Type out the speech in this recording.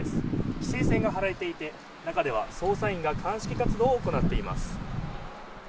規制線が張られていて、中では捜査員が鑑識活動を行っています。